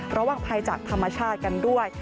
ระวังภัยจากธรรมชาติกันด้วย